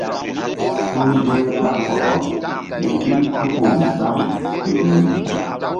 Suhze ɓa kɔkɔ míɓil tuku ri gbam ke ƴori.